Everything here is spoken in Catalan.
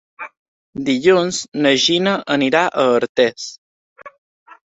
Dilluns na Gina anirà a Artés.